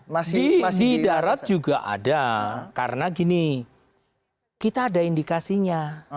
masih di darat juga ada karena gini kita ada indikasinya